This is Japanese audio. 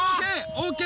ＯＫ